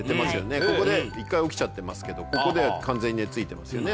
ここで一回起きちゃってますけどここで完全に寝付いてますよね